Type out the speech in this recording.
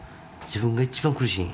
自分が一番苦しい。